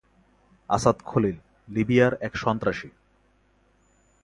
আসাদ খলিল, লিবিয়ার এক সন্ত্রাসী।